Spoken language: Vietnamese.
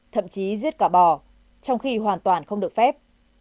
thậm chí giết cả bò trong khi hoàn toàn không được phép